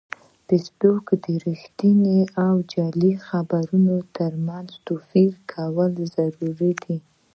فېسبوک د رښتینې او جعلي خبرونو ترمنځ توپیر کول ضروري دي